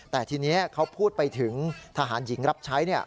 แต่ทีนี้เขาพูดไปถึงทหารหญิงรับใช้